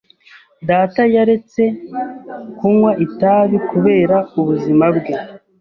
Data yaretse kunywa itabi kubera ubuzima bwe.